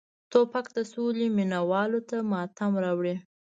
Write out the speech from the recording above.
توپک د سولې مینه والو ته ماتم راوړي.